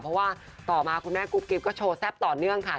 เพราะว่าต่อมาคุณแม่กุ๊กกิ๊บก็โชว์แซ่บต่อเนื่องค่ะ